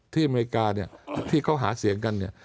อเมริกาเนี่ยที่เขาหาเสียงกันเนี่ย